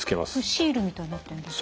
シールみたいになってんですかね。